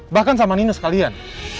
bahkan sama nino sekalian